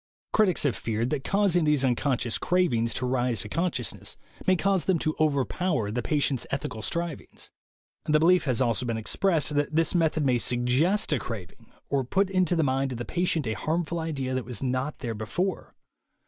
Critics have feared that causing these uncon scious cravings to rise to consciousness may cause them to overpower the patient's ethical strivings. The belief has also been expressed that this method may suggest a craving or put into the mind of the patient a harmful idea that was not there before.